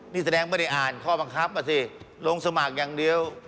นี่แสดงไม่ได้อ่านข้อบังคับอ่ะสิลงสมัครอย่างเดียว